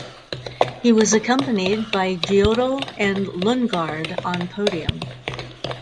He was accompanied by Ghiotto and Lundgaard on podium.